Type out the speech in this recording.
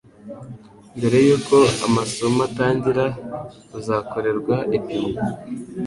mbere y uko amasomo atangira uzakorerwa ipimwa